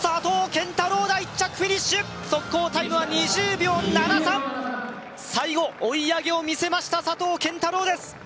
拳太郎が１着フィニッシュタイムは２０秒７３最後追い上げをみせました佐藤拳太郎です